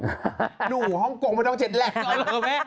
หนูห้องโกงไม่ต้องเจ็ดแหลก